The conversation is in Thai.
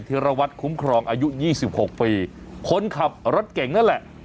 ธิรวัตรคุ้มครองอายุ๒๖ปีคนขับรถเก่งนั่นแหละ